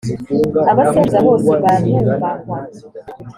abasekuruza bose barubahwa.